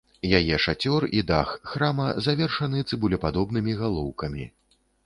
Яе шацёр і дах храма завершаны цыбулепадобнымі галоўкамі.